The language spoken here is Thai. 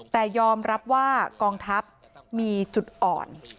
แต่ยอมรับว่ากองทัพมีจุดอ่อน